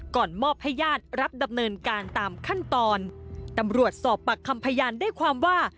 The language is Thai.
มอบให้ญาติรับดำเนินการตามขั้นตอนตำรวจสอบปากคำพยานได้ความว่า